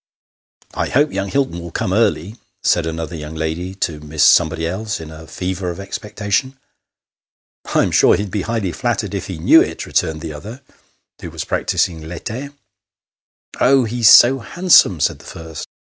" I hope young Hilton will come early," said another young lady to Miss somebody else, in a fever of expectation. "I'm sure he'd be highly flattered if he knew it," returned the other, who was practising I'ete. " Oh ! he's so handsome," said the first.